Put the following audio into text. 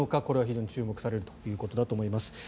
これは非常に注目されることだと思います。